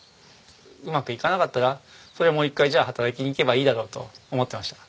うまくいかなかったらそれはもう一回じゃあ働きに行けばいいだろうと思ってました。